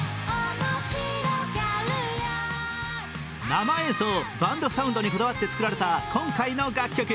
生演奏・バンドサウンドにこだわって作られた今回の楽曲。